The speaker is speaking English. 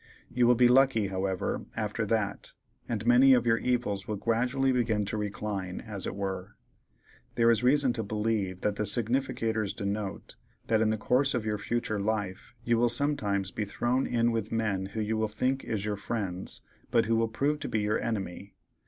You will be lucky, however, after that, and many of your evils will gradually begin to recline, as it were. There is reason to believe that the significators denote that in the course of your futur' life you will sometimes be thrown in with men who you will think is your friends, but who will prove to be your enemy.